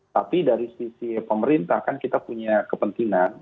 tapi dari sisi pemerintah kan kita punya kepentingan